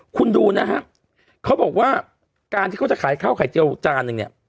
คุณดูนะฮะเขาบอกว่าการที่เขาจะขายข้าวไข่เจียวจานนึงเนี่ย